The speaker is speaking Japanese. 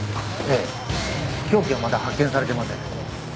凶器はまだ発見されてません。